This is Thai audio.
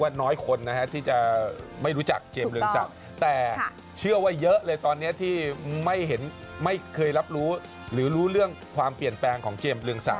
น้อยคนนะฮะที่จะไม่รู้จักเจมสเรืองศักดิ์แต่เชื่อว่าเยอะเลยตอนนี้ที่ไม่เห็นไม่เคยรับรู้หรือรู้เรื่องความเปลี่ยนแปลงของเจมส์เรืองศักด